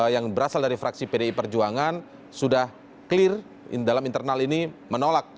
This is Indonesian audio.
yang berasal dari fraksi pdi perjuangan sudah clear dalam internal ini menolak